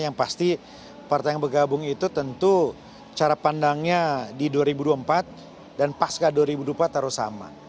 yang pasti partai yang bergabung itu tentu cara pandangnya di dua ribu dua puluh empat dan pasca dua ribu dua puluh empat harus sama